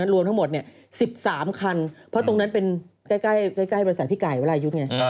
รวมทั้งหมด๑๓คันเพราะตรงนั้นเป็นใกล้บริษัทพี่ไก่วรายุทธ์ไง